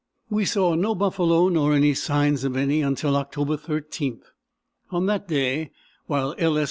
We saw no buffalo, nor any signs of any, until October 13. On that day, while L. S.